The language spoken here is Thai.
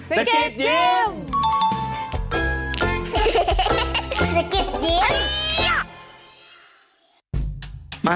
สกิดยิ้ม